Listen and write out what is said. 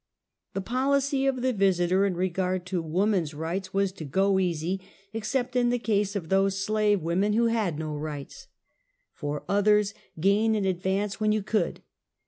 The policy of the Visiter in regard to Woman's Rights, was to " go easy," except in the case of those slave women, who had no rights. For others, gain an advance when you could.